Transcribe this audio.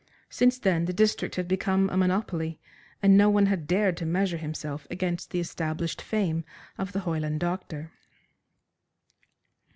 Since then the district had become a monopoly, and no one had dared to measure himself against the established fame of the Hoyland doctor.